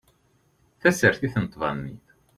Tasertit n tbaḍnit